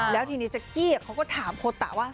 แล้วทีนี้แจ๊กกี้เขาก็ถามโคตะว่า